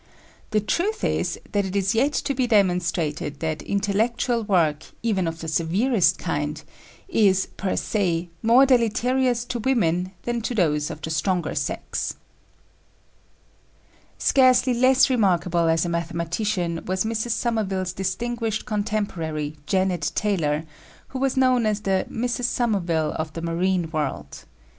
The truth is that it is yet to be demonstrated that intellectual work, even of the severest kind, is, per se, more deleterious to women than to those of the stronger sex. Scarcely less remarkable as a mathematician was Mrs. Somerville's distinguished contemporary, Janet Taylor, who was known as the "Mrs. Somerville of the Marine World."